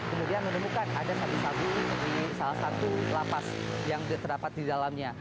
kemudian menemukan ada sabu sabu di salah satu lapas yang terdapat di dalamnya